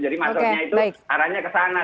jadi maksudnya itu arahnya ke sana